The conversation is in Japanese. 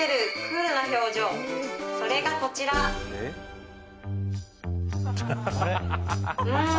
それがこちらうん